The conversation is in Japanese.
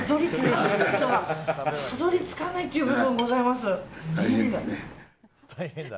たどり着かないっていう部分でございます。